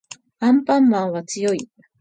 アンパンマンは強い